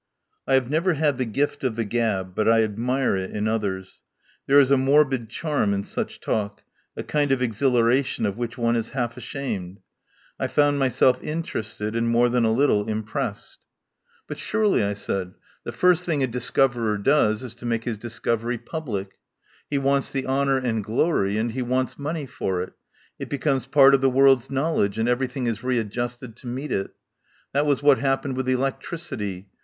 I have never had the gift of the gab, but I admire it in others. There is a morbid charm in such talk, a kind of exhilaration of which one is half ashamed. I found myself inter ested and more than a little impressed. 72 TELLS OF A MIDSUMMER NIGHT "But surely," I said, "the first thing a dis coverer does is to make his discovery public. He wants the honour and glory, and he wants money for it. It becomes part of the world's knowledge, and everything is readjusted to meet it. That was what happened with elec tricity.